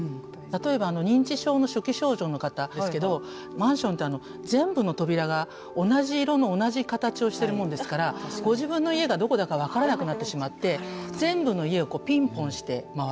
例えば認知症の初期症状の方ですけどマンションって全部の扉が同じ色の同じ形をしているもんですからご自分の家がどこだか分からなくなってしまって全部の家をピンポンして回る。